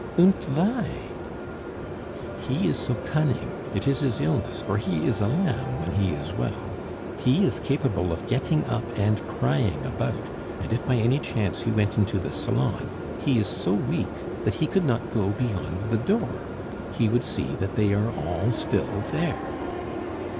"Und vy?" "He is so cunning. It is his illness, for he is a lamb when he is well. He is capable of getting up and prying about; and if by any chance he went into the salon, he is so weak that he could not go beyond the door; he would see that they are all still there."